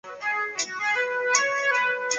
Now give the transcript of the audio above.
根茎冰草为禾本科冰草属下的一个种。